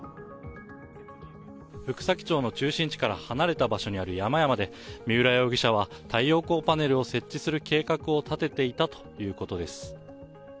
福崎町の中心地から離れた場所にある山々で、三浦容疑者は太陽光パネルを設置する計画を立てていたということです。